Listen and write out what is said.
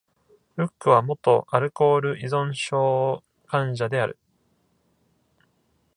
ルックは元アルコール依存症患者である。